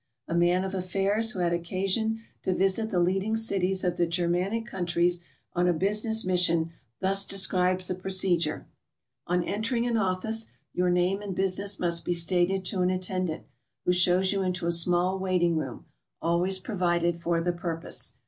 A man of affairs who had occasion to visit the leading cities >of the Germanic countries on a business mission, thus des'Cribes the procedure: "On entering an office, your name and business must be stated to an attendant, who shows you into a small waiting room, always provided for the purpose.